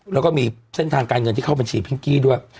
แล้วก็มีเส้นทางการเงินที่เข้าบัญชีพิงกี้ด้วย